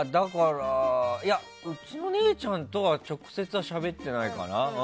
いや、うちの姉ちゃんとは直接はしゃべってないかな。